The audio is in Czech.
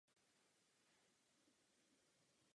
Blahopřeji všem svým kolegům, kteří na tom mají podíl.